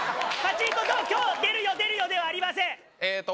「今日出るよ出るよ」ではありません。